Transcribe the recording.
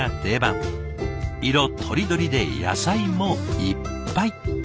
色とりどりで野菜もいっぱい。